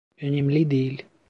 Önemli değil.